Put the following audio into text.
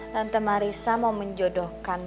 tante marissa mau menjodohkan